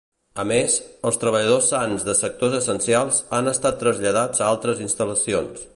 A més, els treballadors sans de sectors essencials han estat traslladats a altres instal·lacions.